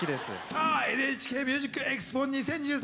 さあ「ＮＨＫＭＵＳＩＣＥＸＰＯ２０２３」